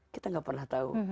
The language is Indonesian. kita tidak pernah tahu